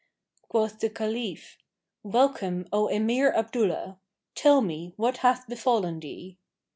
Quoth the Caliph, "Welcome, O Emir Abdullah! Tell me what hath befallen thee."